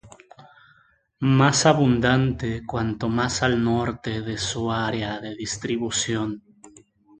Más abundante cuanto más al norte de su área de distribución.